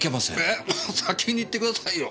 え先に言ってくださいよ。